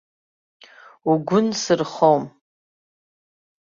Угәы нсырхом!